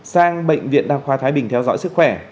sang bệnh viện đa khoa thái bình theo dõi sức khỏe